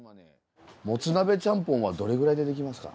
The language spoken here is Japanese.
モツ鍋ちゃんぽんはどれぐらいでできますか？